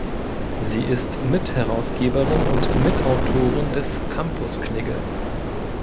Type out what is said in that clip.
Sie ist Mitherausgeberin und Mitautorin des „Campus-Knigge“.